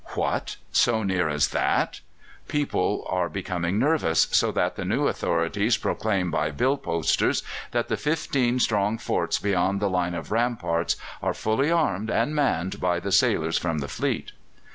What! so near as that! People are becoming nervous, so that the new authorities proclaim by billposters that the fifteen strong forts beyond the line of ramparts are fully armed and manned by the sailors from the fleet.